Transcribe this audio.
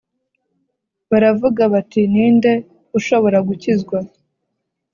Baravuga bati ni nde ushobora gukizwa